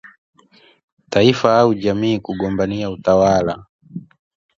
taifa au jamii: kugombania utawala